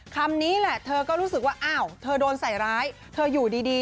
คำนี้แหละเธอก็รู้สึกว่าอ้าวเธอโดนใส่ร้ายเธออยู่ดี